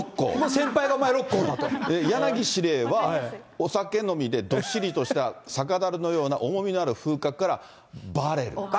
先輩の場合、柳司令は、お酒飲みでどっしりとした酒だるのような重みのある風格から、バレル。